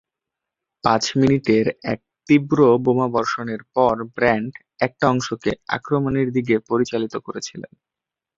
পাঁচ মিনিটের এক তীব্র বোমা বর্ষণের পর, ব্রান্ট একটা অংশকে আক্রমণের দিকে পরিচালিত করেছিলেন।